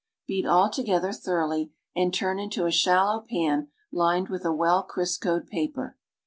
Heat all together thoroughly and turn into a shallow pan lined with a well Criscoed paper.